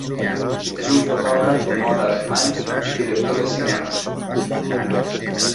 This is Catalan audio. És un fotògraf de moda alemany i director de cinema.